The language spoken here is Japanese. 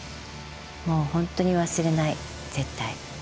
もうほんとに忘れない絶対。